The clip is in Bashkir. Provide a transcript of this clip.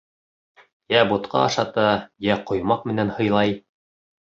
Йә бутҡа ашата, йә ҡоймаҡ менән һыйлай.